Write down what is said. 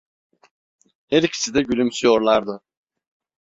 Her ikisi de gülümsüyorlardı.